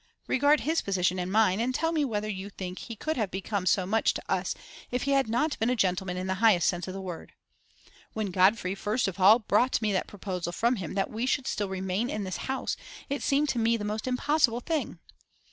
Regard his position and mine, and tell me whether you think he could have become so much to us if he had not been a gentleman in the highest sense of the word. When Godfrey first of all brought me that proposal from him that we should still remain in this house, it seemed to me the most impossible thing.